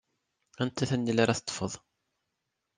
Anta tanila ara teṭṭfeḍ?